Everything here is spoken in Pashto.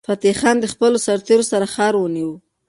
فتح خان د خپلو سرتیرو سره ښار ونیو.